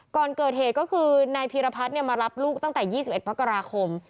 ก่อนเกิดเหตุก็คือนายพีรพัฒน์มารับลูกตั้งแต่๒๑มกราคม